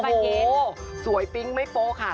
โอ้โหสวยปิ๊งไม่โปรค่ะ